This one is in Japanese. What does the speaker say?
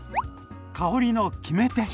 香りの決め手。